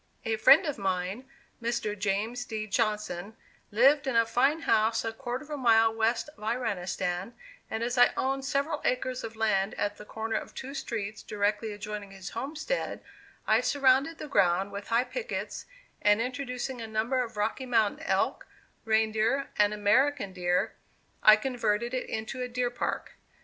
A friend of mine, Mr. James D. Johnson, lived in a fine house a quarter of a mile west of Iranistan, and as I owned several acres of land at the corner of two streets directly adjoining his homestead, I surrounded the ground with high pickets, and introducing a number of Rocky Mountain elk, reindeer, and American deer, I converted it into a deer park.